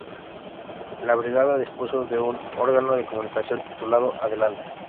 La brigada dispuso de un órgano de comunicación, titulado "Adelante".